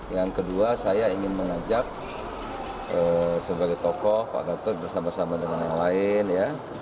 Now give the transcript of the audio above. yang kedua saya ingin mengajak sebagai tokoh pak gatot bersama sama dengan yang lain ya